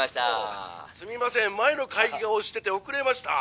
「すみません前の会議が押してて遅れました」。